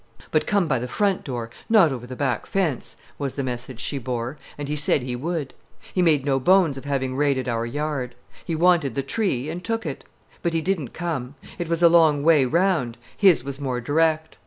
"But come by the front door, not over the back fence," was the message she bore, and he said he would. He made no bones of having raided our yard. He wanted the "tree" and took it. But he didn't come. It was a long way round; his was more direct.